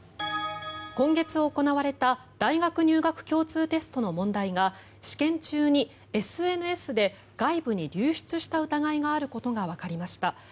今月行われた大学入学共通テストの問題が試験中にＳＮＳで外部に流出した疑いがあることがわかりました。